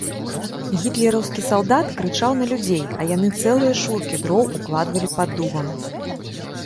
Гітлераўскі салдат крычаў на людзей, а яны цэлыя шуркі дроў укладвалі пад дубам.